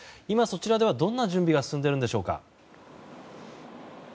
今、そちらではどんな準備が進んでいるんでしょうか？